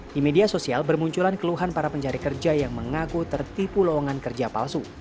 di media sosial bermunculan keluhan para pencari kerja yang mengaku tertipu lowongan kerja palsu